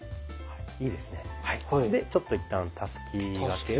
でちょっと一旦たすき掛けを。